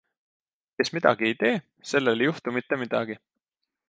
Kes midagi ei tee, sellel ei juhtu mitte midagi.